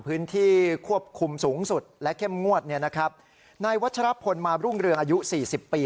พื้นที่ควบคุมสูงสุดและเข้มงวดเนี่ยนะครับนายวัชรพลมารุ่งเรืองอายุสี่สิบปี